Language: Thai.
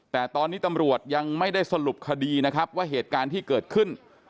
แต่ตอนนี้ตำรวจยังไม่ได้สรุปคดีนะครับว่าเหตุการณ์ที่เกิดขึ้น